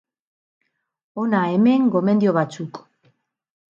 Hona hemen gomendio batzuk.